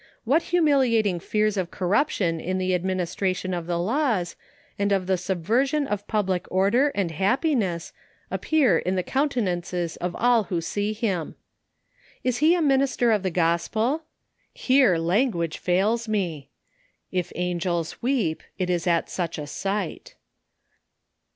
What humiliating fears of corruption in the ad ministration of the laws, and of the subversion of public order and happiness, appear in the countenances of all who sec him ? Is he a minister of the gospel ?— Here lan guage fails me If angels weep — it is at such a sight.